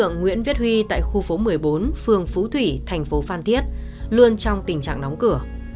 nguyễn viết huy tại khu phố một mươi bốn phường phú thủy thành phố phan thiết luôn trong tình trạng đóng cửa